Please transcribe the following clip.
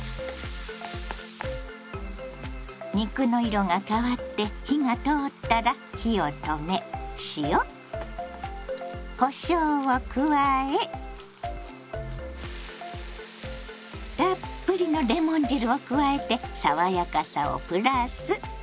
肉の色が変わって火が通ったら火を止め塩こしょうを加えたっぷりのレモン汁を加えて爽やかさをプラス。